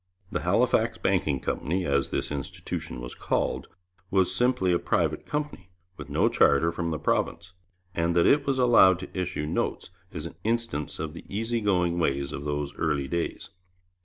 The Halifax Banking Company, as this institution was called, was simply a private company, with no charter from the province, and that it was allowed to issue notes is an instance of the easy going ways of those early days.